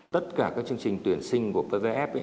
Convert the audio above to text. tất cả các chương trình tuyển sinh của pvf